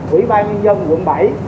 quỹ ban nhân dân quận bảy